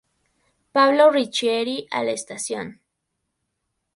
Pablo Ricchieri" a la estación.